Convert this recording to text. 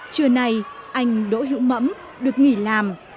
trưa nay anh đỗ hữu mẫm được nghỉ làm